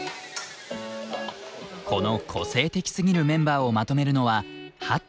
この個性的すぎるメンバーをまとめるのはＨａｔｃｈさん。